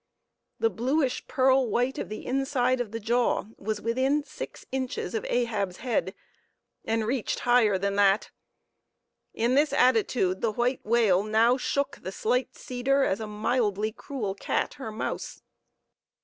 The bluish pearl white of the inside of the jaw was within six inches of Ahab's head, and reached higher than that. In this attitude the white whale now shook the slight cedar as a mildly cruel cat her mouse.